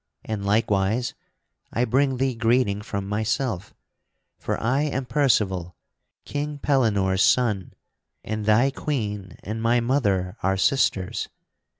And likewise I bring thee greeting from myself: for I am Percival, King Pellinore's son, and thy Queen and my mother are sisters.